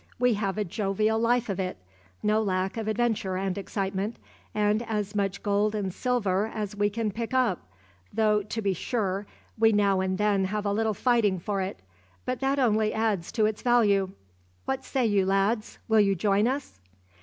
We have a jovial life of it. No lack of adventure and excitement, and as much gold and silver as we can pick up, though, to be sure, we now and then have a little fighting for it, but that only adds to its value. What say you, lads? Will you join us?"